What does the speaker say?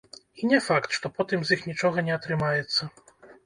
І не факт, што потым з іх нічога не атрымаецца.